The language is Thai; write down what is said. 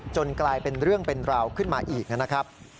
กลายเป็นเรื่องเป็นราวขึ้นมาอีกนะครับ